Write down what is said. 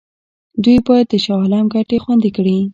دوی باید د شاه عالم ګټې خوندي کړي.